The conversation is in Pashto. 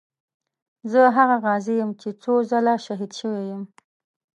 زه هغه غازي یم چې څو ځله شهید شوی یم.